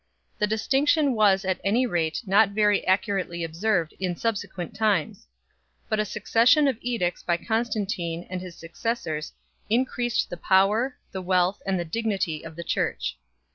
The distinction was at any rate not very accurately observed in subsequent times ; but a succession of edicts by Constantine and his successors increased the power, the wealth, and the dignity of the Church.